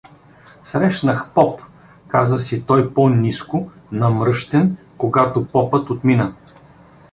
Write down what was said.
Срещнах поп — каза си той по-ниско, намръщен, когато попът отмина.